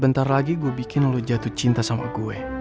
bentar lagi gue bikin lo jatuh cinta sama gue